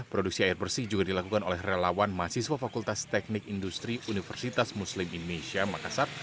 produksi air bersih juga dilakukan oleh relawan mahasiswa fakultas teknik industri universitas muslim indonesia makassar